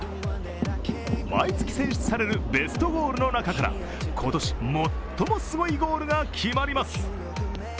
毎月選手されるベストゴールの中から今年最もすごいゴールが決まります。